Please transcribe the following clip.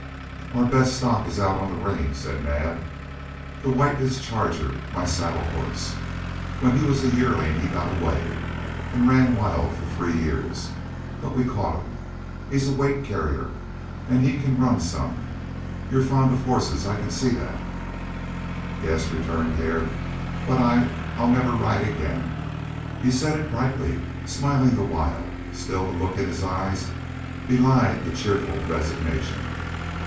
"Our best stock is out on the range," said Naab. "The white is Charger, my saddle horse. When he was a yearling he got away and ran wild for three years. But we caught him. He's a weight carrier and he can run some. You're fond of a horse I can see that." "Yes," returned Hare, "but I I'll never ride again." He said it brightly, smiling the while; still the look in his eyes belied the cheerful resignation.